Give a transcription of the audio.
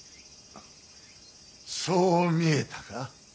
そう見えたか。